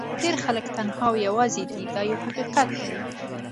ډېر خلک تنها او یوازې دي دا یو حقیقت دی.